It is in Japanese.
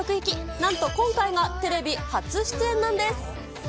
なんと今回がテレビ初出演なんです。